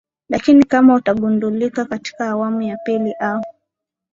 lakini kama utagundulika katika awamu ya pili au